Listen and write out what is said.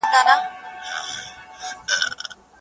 ولي افغان محصلین د اماراتو په پوهنتونونو کي لږ دي؟